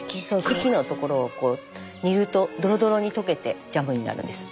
茎のところを煮るとドロドロに溶けてジャムになるんです。